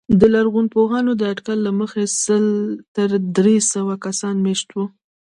د لرغونپوهانو د اټکل له مخې سل تر درې سوه کسان مېشت وو